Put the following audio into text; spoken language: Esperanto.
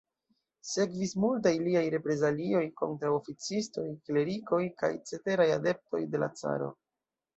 Sekvis multaj liaj reprezalioj kontraŭ oficistoj, klerikoj kaj ceteraj adeptoj de la caro.